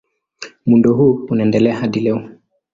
Muundo huu unaendelea hadi leo.